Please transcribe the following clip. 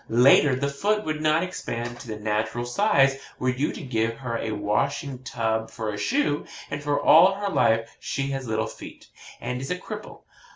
Later, the foot would not expand to the natural size were you to give her a washing tub for a shoe and for all her life she has little feet, and is a cripple.